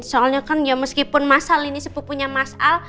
soalnya kan ya meskipun masal ini sepupunya mas al